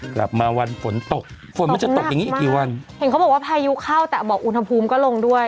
กลับมาวันฝนตกฝนมันจะตกอย่างงี้อีกกี่วันเห็นเขาบอกว่าพายุเข้าแต่บอกอุณหภูมิก็ลงด้วย